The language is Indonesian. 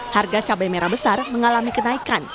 harga cabai merah besar mengalami kenaikan